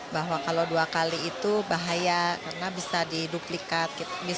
bahwa kalau dua kali itu bahaya karena bisa diduplikat